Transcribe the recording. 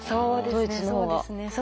ドイツの方は。